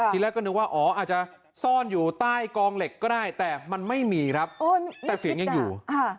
ทีแรกก็นึกว่าอ๋ออาจจะซ่อนอยู่ใต้กองเหล็กก็ได้แต่มันไม่มีครับแต่เสียงยังอยู่